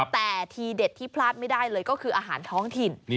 แต่ทีเด็ดที่พลาดไม่ได้เลยก็คืออาหารท้องถิ่น